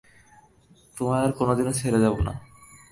তোমায় আর কোনোদিনও ছেড়ে যাবো না।